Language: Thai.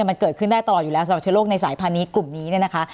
มันเกิดขึ้นได้ตลอดอยู่แล้วสำหรับเชื้อโรคในสายพันธุ์นี้กลุ่มนี้เนี่ยนะคะ